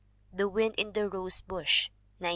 The Wind in the Rose Bush, 1903.